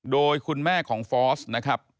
โดยคุณแม่ของฟอสนะครับ